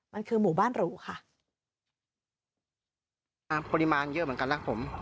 มันคือหมู่บ้านรูค่ะ